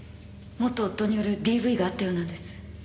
元夫によるＤＶがあったようなんです。